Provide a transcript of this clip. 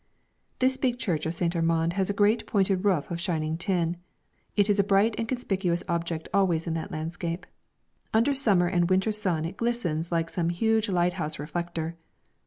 This big church of St. Armand has a great pointed roof of shining tin. It is a bright and conspicuous object always in that landscape; under summer and winter sun it glistens like some huge lighthouse reflector.